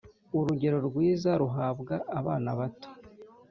urugero rwiza ruhabwa abana bato